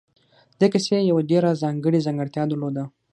دې کیسې یوه ډېره ځانګړې ځانګړتیا درلوده